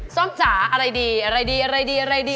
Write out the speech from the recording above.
ส้มจ๋าอะไรดีอะไรดีอะไรดีอะไรดี